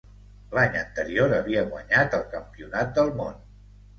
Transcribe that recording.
L'any anterior havia guanyat el Campionat del món.